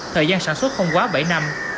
thời gian sản xuất không quá bảy năm